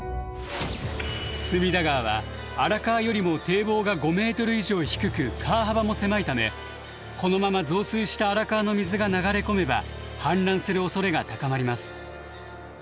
隅田川は荒川よりも堤防が５ｍ以上低く川幅も狭いためこのまま増水した荒川の水が流れ込めば氾濫するおそれが高まります。